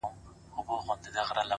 هره هڅه د ځان باور زیاتوي,